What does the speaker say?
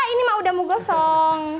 ini mah udah mau gosong